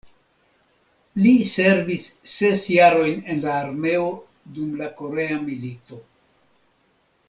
Li servis ses jarojn en la armeo dum la Korea milito.